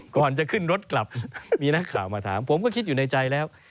ก่อนจะขึ้นรถกลับมีนักข่าวมาถามผมก็คิดอยู่ในใจแล้ว